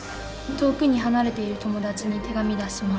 遠くに離れている友達に手紙出します。